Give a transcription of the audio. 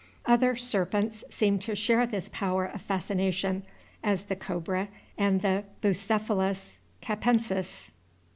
Other serpents seem to share this power of fascination, as the Cobra and the Buccephalus Capensis.